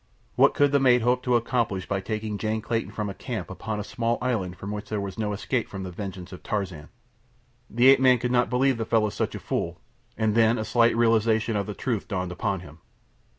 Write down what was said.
What could the mate hope to accomplish by taking Jane Clayton from a camp upon a small island from which there was no escape from the vengeance of Tarzan? The ape man could not believe the fellow such a fool, and then a slight realization of the truth dawned upon him.